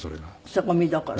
そこ見どころ。